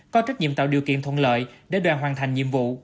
có trách nhiệm tạo điều kiện thuận lợi để đoàn hoàn thành nhiệm vụ